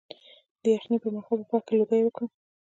د یخنۍ پر مهال په باغ کې لوګی وکړم؟